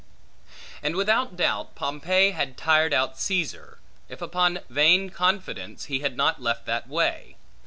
And, without doubt, Pompey had tired out Caesar, if upon vain confidence, he had not left that way.